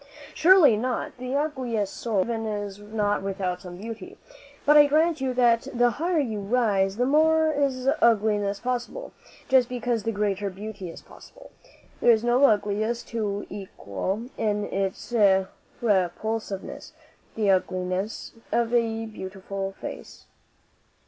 "Surely not. The ugliest soul even is not without some beauty. But I grant you that the higher you rise the more is ugliness possible, just because the greater beauty is possible. There is no ugliness to equal in its repulsiveness the ugliness of a beautiful face."